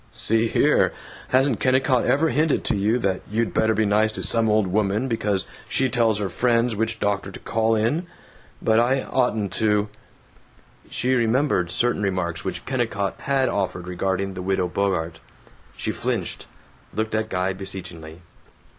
"See here: Hasn't Kennicott ever hinted to you that you'd better be nice to some old woman because she tells her friends which doctor to call in? But I oughtn't to " She remembered certain remarks which Kennicott had offered regarding the Widow Bogart. She flinched, looked at Guy beseechingly.